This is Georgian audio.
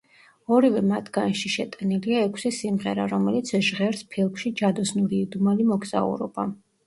ორივე მათგანში შეტანილია ექვსი სიმღერა, რომელიც ჟღერს ფილმში „ჯადოსნური იდუმალი მოგზაურობა“.